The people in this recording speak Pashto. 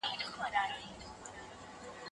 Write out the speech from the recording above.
هيڅ قوم بايد په بل قوم ټوکې ونه کړي.